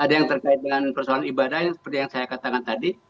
ada yang terkait dengan persoalan ibadah yang seperti yang saya katakan tadi